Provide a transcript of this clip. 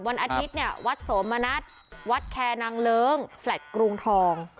วันอาทิตย์เนี่ยวัดโสมณัฐวัดแคร์นางเลิ้งแฟลตกรุงทอง